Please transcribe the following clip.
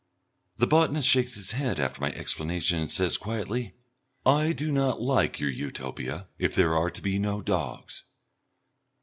The botanist shakes his head after my explanation and says quietly, "I do not like your Utopia, if there are to be no dogs."